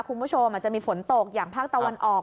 คุณผู้ชมอาจจะมีฝนตกอย่างภาคตะวันออก